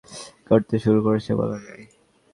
ঘটতে শুরু করেছে বলা যায়।